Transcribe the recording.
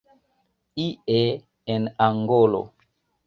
Ie en Angolo.